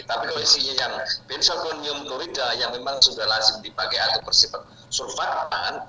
tapi kalau isinya yang benzogonium klorida yang memang sudah lazim dipakai atau persifat surfaktan